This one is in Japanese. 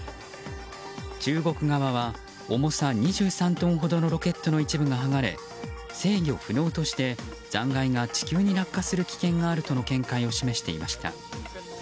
中国側は重さ２３トンほどのロケットの一部が剥がれ制御不能として残骸が地球に落下する危険があるとの見解を示していました。